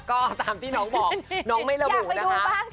ก็ตามที่น้องบอกน้องไม่ระบุนะคะ